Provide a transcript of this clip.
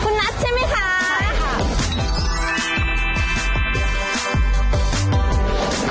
คุณนัทใช่ไหมคะใช่ค่ะ